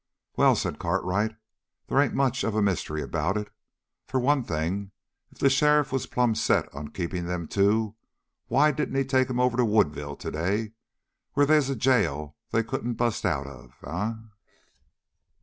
"Well," said Cartwright, "they ain't much of a mystery about it. For one thing, if the sheriff was plumb set on keeping them two, why didn't he take 'em over to Woodville today, where they's a jail they couldn't bust out of, eh?"